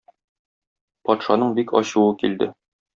Патшаның бик ачуы килде.